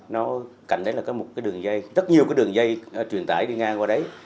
nó cạnh đấy là có một cái đường dây rất nhiều cái đường dây truyền tải đi ngang qua đấy